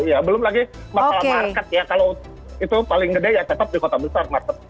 ya belum lagi masalah market ya kalau itu paling gede ya tetap di kota besar market